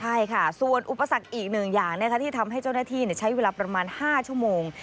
ใช่ค่ะส่วนอุปสรรคอีกหนึ่งอย่างที่ทำให้เจ้าหน้าที่ใช้เวลาประมาณ๕ชั่วโมง